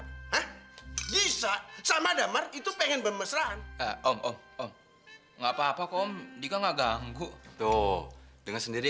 bisa sama damar itu pengen bemesraan om enggak papa kompika enggak ganggu tuh dengan sendiri